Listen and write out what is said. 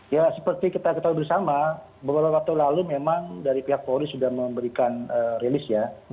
ya seperti kita ketahui bersama beberapa waktu lalu memang dari pihak polri sudah memberikan rilis ya